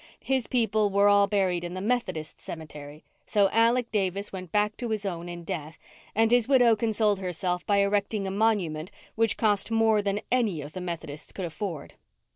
His people were all buried in the Methodist cemetery; so Alec Davis went back to his own in death and his widow consoled herself by erecting a monument which cost more than any of the Methodists could afford.